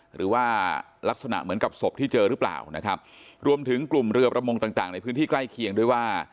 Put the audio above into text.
หรือว่าลักษณะเหมือนกับศพที่เจอหรือเปล่านะครับรวมถึงกลุ่มเรือประมงต่างต่างในพื้นที่ใกล้เคียงด้วยว่า